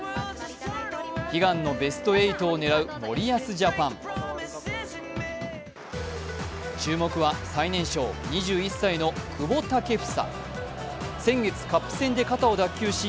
悲願のベスト８を狙う森保ジャパン注目は最年少、２１歳の久保健英。